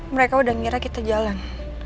mereka udah ngira kita jalan